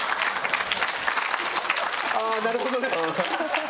あぁなるほどね。